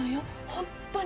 本当に。